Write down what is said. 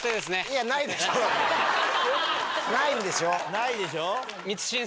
ないんでしょ。